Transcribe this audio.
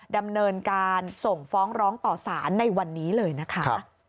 ดำเนินการส่งฟ้องร้องต่อสารในวันนี้เลยนะคะ